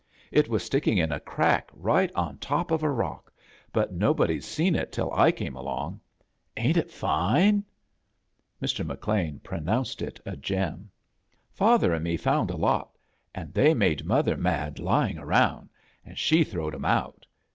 It was sticking in a crack right on top of a rock, but nobod/d seen it till I came along. Ain't it fine?" Wt, McLean pronounced it a gem. "Father an' me fouod a lot, an' they made mother mad lying around, an' she throwed *em out.